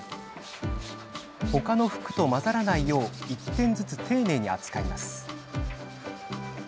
他の服と混ざらないよう１点ずつ丁寧に扱います。